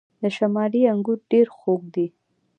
د شمالی انګور ډیر خوږ دي.